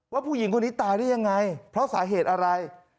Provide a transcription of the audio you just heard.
ผู้หญิงคนนี้ตายได้ยังไงเพราะสาเหตุอะไร